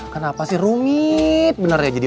kenapa sih rumit bener ya jadi